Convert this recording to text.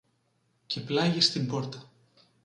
Και πλάγι στην πόρτα